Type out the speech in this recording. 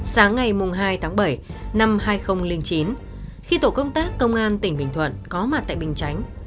sáng ngày hai tháng bảy năm hai nghìn chín khi tổ công tác công an tỉnh bình thuận có mặt tại bình chánh